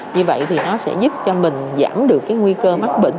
như vậy thì nó sẽ giúp cho mình giảm được cái nguy cơ mắc bệnh